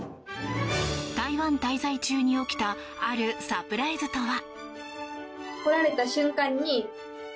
台湾滞在中に起きたあるサプライズとは？